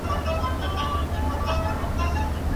ایا په کور کي د پاکو اوبو د زیرمې ساتل اړین دي؟